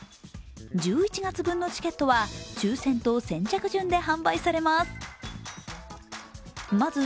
１１月分のチケットは抽選と先着順で販売されます。